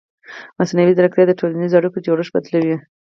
مصنوعي ځیرکتیا د ټولنیزو اړیکو جوړښت بدلوي.